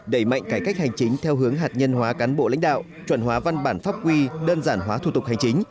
đẩy mạnh cải cách hành chính theo hướng hạt nhân hóa cán bộ lãnh đạo chuẩn hóa văn bản pháp quy đơn giản hóa thủ tục hành chính